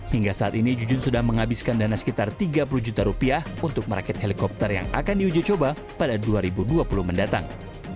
hingga saat ini jujun sudah menghabiskan dana sekitar tiga puluh juta rupiah untuk merakit helikopter yang akan diuji coba pada dua ribu dua puluh mendatang